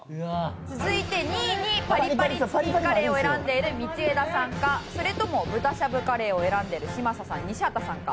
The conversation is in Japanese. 続いて２位にパリパリチキンカレーを選んでいる道枝さんかそれとも豚しゃぶカレーを選んでいる嶋佐さん西畑さんか。